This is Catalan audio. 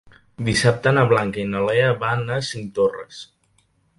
Dissabte na Blanca i na Lea van a Cinctorres.